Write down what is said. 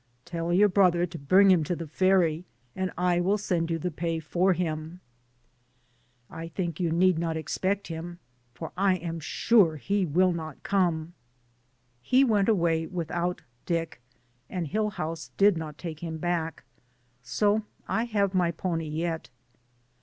"Tell your brother to bring him to the ferry, and I will send you the pay for him." "I think you need not expect him, for I am sure he will not come." DAYS ON THE ROAD. 249 He went away without Dick, and Hill house did not take him back, so I have my pony yet.